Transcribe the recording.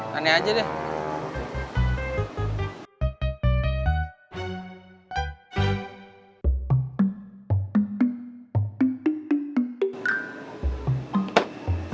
tani aja deh